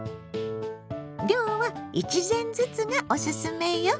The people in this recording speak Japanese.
量は１膳ずつがおすすめよ。